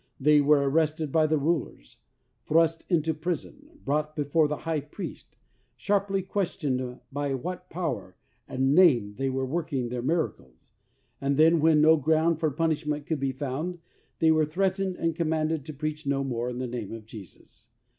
They were arrested by the rulers, thrust into prison, brought before the high priest, sharply questioned by what power and name they were working their miracles, and then when no ground for punishment could be found, they were threatened and commanded to preach no more in the name of Jesus.